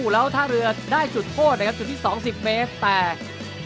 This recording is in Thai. แล้วท่าเรือได้จุดโทษนะครับจุดที่สองสิบเมฆ